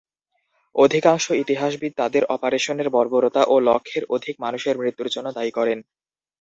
অধিকাংশ ইতিহাসবিদ তাকে অপারেশনের বর্বরতা ও লক্ষের অধিক মানুষের মৃত্যুর জন্য দায়ী করেন।